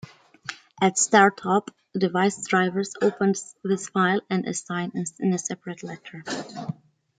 At startup, device drivers opened this file and assigned it a separate letter.